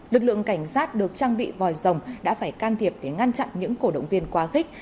lực lượng cảnh sát được trang bị vòi rồng đã phải can thiệp để ngăn chặn những cổ động viên quá khích